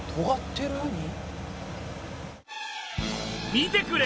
見てくれ！